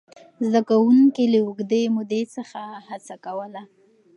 زده کوونکي له اوږدې مودې هڅه کوله.